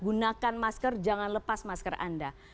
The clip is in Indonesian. gunakan masker jangan lepas masker anda